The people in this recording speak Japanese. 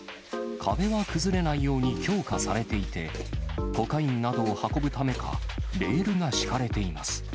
壁が崩れないように強化されていて、コカインなどを運ぶためか、レールが敷かれています。